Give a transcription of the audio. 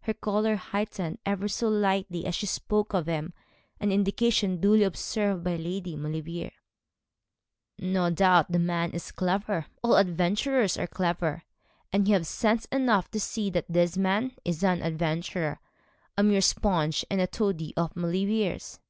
Her colour heightened ever so little as she spoke of him, an indication duly observed by Lady Maulevrier. 'No doubt the man is clever; all adventurers are clever; and you have sense enough to see that this man is an adventurer a mere sponge and toady of Maulevrier's.'